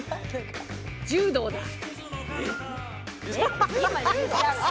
柔道です。